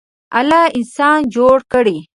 الله انسان جوړ کړی.